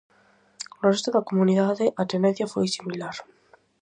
No resto da comunidade a tendencia foi similar.